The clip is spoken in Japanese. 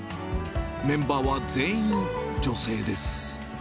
メンバーは全員女性です。